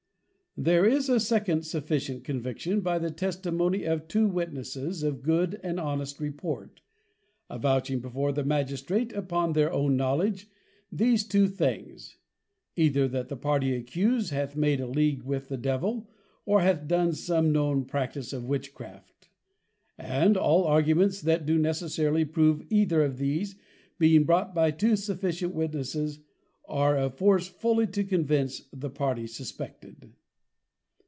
_There is a second sufficient Conviction, by the Testimony of two Witnesses, of good and honest Report, avouching before the Magistrate, upon their own Knowledge, these two things: either that the party accused hath made a League with the Devil, or hath done some known practice of witchcraft. And, +all Arguments that do necessarily prove either of these+, being brought by two sufficient Witnesses, are of force fully to convince the party suspected.